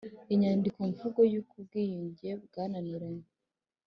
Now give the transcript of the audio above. inyandikomvugo y uko ubwiyunge bwananiranye